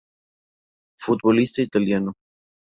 Futbolista italiano.